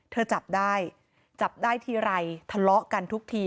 จับได้จับได้ทีไรทะเลาะกันทุกที